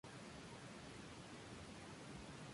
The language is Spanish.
En el apartado gráfico, Microsoft encargó a nVidia esta tarea.